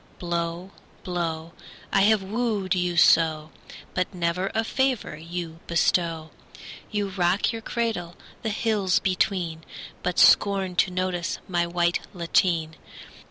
Blow, blow! I have wooed you so, But never a favour you bestow. You rock your cradle the hills between, But scorn to notice my white lateen.